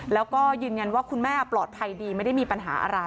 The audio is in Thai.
แล้วก็ยืนยันว่าคุณแม่ปลอดภัยดีไม่ได้มีปัญหาอะไร